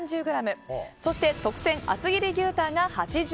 そして、特撰厚切り牛タンが８０ｇ。